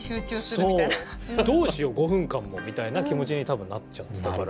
「どうしよう５分間も」みたいな気持ちに多分なっちゃってたから。